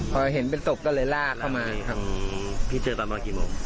พอเห็นเป็นศพก็เลยลากเข้ามาทางพี่เจอตอนประมาณกี่โมง